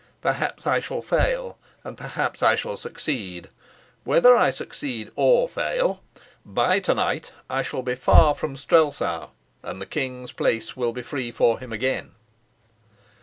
Perhaps I shall fail, perhaps I shall succeed. Whether I succeed or fail, by to night I shall be far from Strelsau, and the king's place will be free for him again."